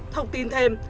thông tin thêm